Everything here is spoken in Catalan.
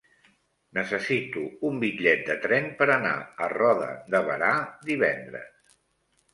Necessito un bitllet de tren per anar a Roda de Berà divendres.